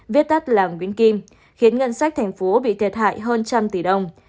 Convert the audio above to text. viết tắt là nguyễn kim khiến ngân sách thành phố bị thiệt hại hơn trăm tỷ đồng